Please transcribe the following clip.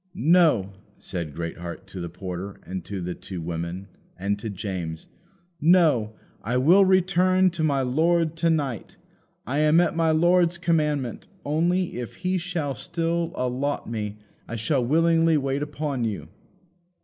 "No," said Greatheart to the porter, and to the two women, and to James "No. I will return to my lord to night. I am at my lord's commandment; only, if he shall still allot me I shall willingly wait upon you."